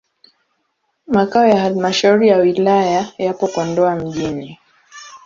Makao ya halmashauri ya wilaya yapo Kondoa mjini.